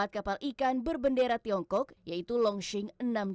empat kapal ikan berbendera tiongkok yaitu longsing enam ratus dua puluh sembilan